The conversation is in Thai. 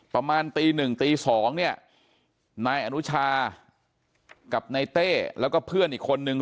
ประมาณตีหนึ่งตีสองเนี่ยนายอนุชากับนายเต้แล้วก็เพื่อนอีกคนนึง